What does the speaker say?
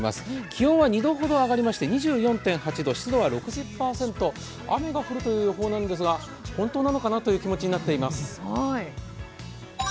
気温は２度ほど上がりまして２４．８度湿度は６０％、雨が降るという予報なんですが、本当なのかなという気持ちになっています。